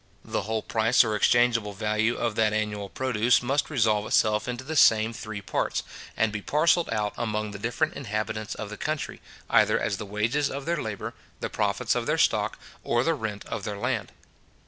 The whole price or exchangeable value of that annual produce must resolve itself into the same three parts, and be parcelled out among the different inhabitants of the country, either as the wages of their labour, the profits of their stock, or the rent of their land.